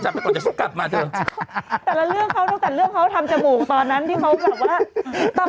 แต่ละเรื่องเขาต้องแต่เรื่องเขาทำจมูกตอนนั้นที่เขาแบบว่า